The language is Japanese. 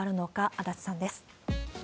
足立さんです。